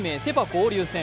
交流戦。